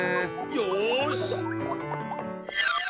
よし！